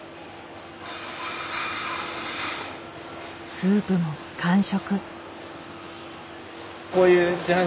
スープも完食。